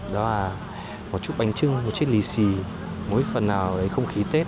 đó là một chút bánh trưng một chút lì xì mỗi phần nào đấy không khí tết